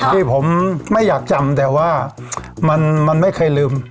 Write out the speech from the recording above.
ที่ผมไม่อยากจำแต่ว่ามันไม่เคยลืม